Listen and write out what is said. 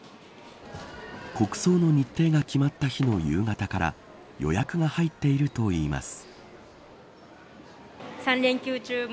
国葬の日程が決まった日の夕方から予約が入っているといいます。